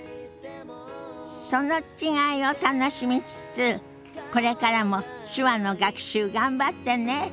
その違いを楽しみつつこれからも手話の学習頑張ってね。